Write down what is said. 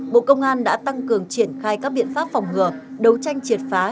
bộ công an đã tăng cường triển khai các biện pháp phòng ngừa đấu tranh triệt phá